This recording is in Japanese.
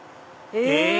え？